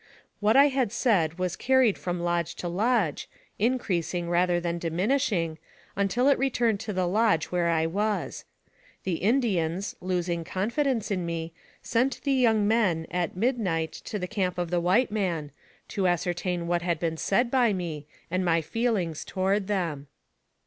What I had said was carried from lodge to lodge, increasing rather than di minishing, until it returned to the lodge where I was. The Indians, losing confidence in me, sent the young men, at midnight, to the camp of the white man, to AMONG THE SIOUX INDIANS. 207 ascertain what had been said by me, and my feelings toward them.